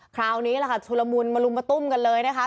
คราวนี้ล่ะค่ะทุรมูลมารุมประตุ้มกันเลยนะคะ